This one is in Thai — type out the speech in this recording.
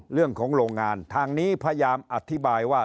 โรงงานทางนี้พยายามอธิบายว่า